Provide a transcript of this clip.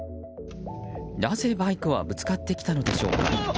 なぜ、バイクはぶつかってきたのでしょうか。